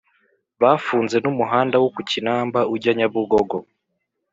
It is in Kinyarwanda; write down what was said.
bafunze n’umuhanda wo ku kinamba ujya nyabugogo